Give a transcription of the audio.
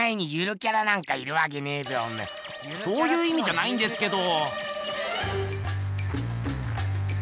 そういういみじゃないんですけど。